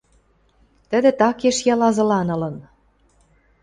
Тӹдӹ такеш ялазыланылын.